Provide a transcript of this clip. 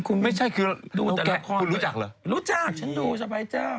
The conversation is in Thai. คุณรู้จักเหรอรู้จักฉันดูสบายเจ้า